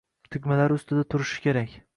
Tugmalari ustida turishi kerak